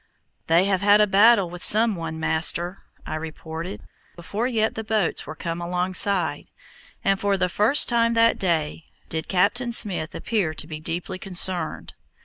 "They have had a battle with some one, Master," I reported, before yet the boats were come alongside, and for the first time that day did Captain Smith appear to be deeply concerned.